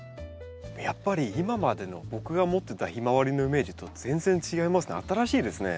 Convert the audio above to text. やっぱり今までの僕が持ってたヒマワリのイメージと全然違いますね。